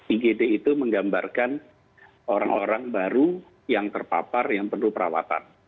igd itu menggambarkan orang orang baru yang terpapar yang perlu perawatan